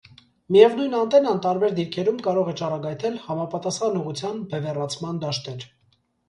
Միևնույն անտենան տարբեր դիրքերում կարող է ճառագայթել համապատասխան ուղղության բևեռացման դաշտեր։